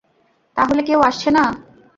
তাহলে, কেউ আসছে না?